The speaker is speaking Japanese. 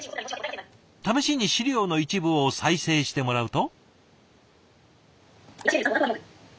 試しに資料の一部を再生してもらうと。